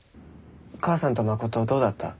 母さんと真はどうだった？